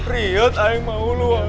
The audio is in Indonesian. riyad saya mau keluar